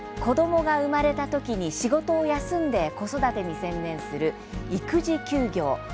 子どもが生まれたときに仕事を休んで子育てに専念する育児休業。